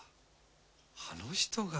あの人が。